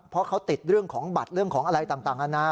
เพราะเขาติดเรื่องของบัตรเรื่องของอะไรต่างอาณา